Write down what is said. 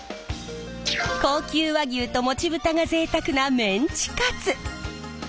高級和牛ともち豚がぜいたくなメンチカツ！